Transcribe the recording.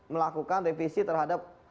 melakukan revisi terhadap